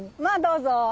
まあどうぞ。